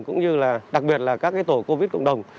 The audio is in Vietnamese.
cũng như là đặc biệt là các tổ covid cộng đồng